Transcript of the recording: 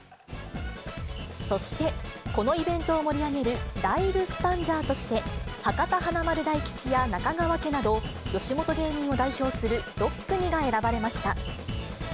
そしてこのイベントを盛り上げるライブスタンジャーとして、博多華丸・大吉や中川家など、吉本芸人を代表する６組が選ばれました。